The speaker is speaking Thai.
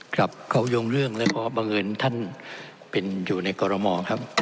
ครับเขายงเรื่องเลยเพราะบางอื่นท่านเป็นอยู่ในกรมองครับ